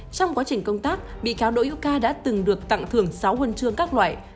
trong quá trình công tác bị cáo đỗ hữu ca đã từng được tặng thưởng sáu huân chương các loại